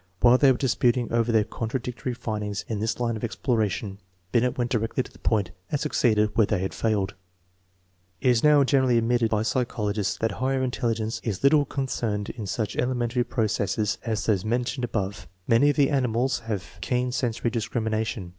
While they were disputing over their contradictory findings in this line of exploration, Hinet went directly to the point and succeeded where they had failed* It is now generally admitted by psychologists that higher intelligence is Hide concerned in such elementary processes as those mentioned above. "Many of the animals have keen sensory discrimination.